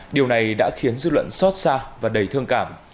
điều này đã khiến dư luận xót xa và đầy thương cảm